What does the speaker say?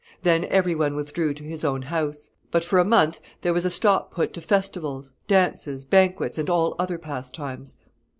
Then every one withdrew to his own house; but for a month there was a stop put to festivals dances, banquets, and all other pastimes.